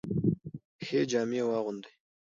ښه جامې واغوندئ.